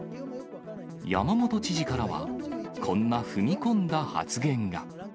山本知事からは、こんな踏み込んだ発言が。